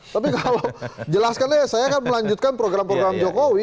tapi kalau jelaskan aja saya kan melanjutkan program program jokowi